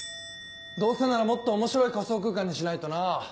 どうせならもっと面白い仮想空間にしないとな。